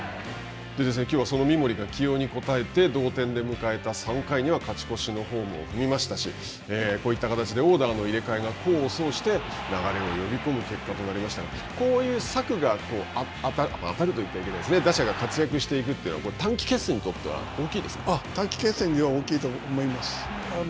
きょうはその三森が起用に応えて、同点で迎えた３回には勝ち越しのホームを踏みましたし、こういった形でオーダーの入れ替えが功を奏して流れを呼び込む結果となりましたが、こういう策が当たる打者が活躍していくというのは、短期決戦にとっては短期決戦では大きいと思います。